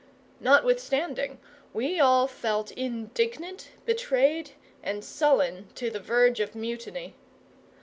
Nothwithstanding, we all felt indignant, betrayed, and sullen to the verge of mutiny.